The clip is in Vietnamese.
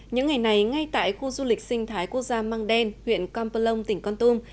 những ngày này ngay tại khu du lịch sinh thái quốc gia măng đen huyện con pơ long tỉnh con tôm